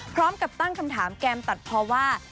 พร้อมกับตั้งคำถามแก้มตัดเพราะว่า